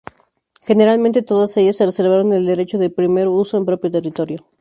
Generalmente, todas ellas se reservaron el "derecho de primer uso en propio territorio".